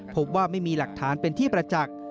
พบว่าไม่มีหลักฐานเป็นที่ประจักษ์